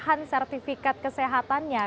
apakah penyerahan sertifikat kesehatannya